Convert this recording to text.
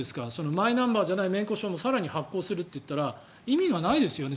マイナンバーじゃない免許証も更に発行するって言ったら意味がないですよね